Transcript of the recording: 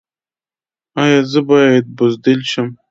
ایا زه باید بزدل شم؟